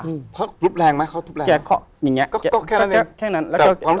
เค้าะทุบแรงไหมเค้าะทุบแรง